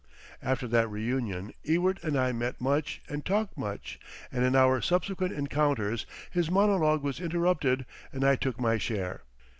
After that reunion Ewart and I met much and talked much, and in our subsequent encounters his monologue was interrupted and I took my share.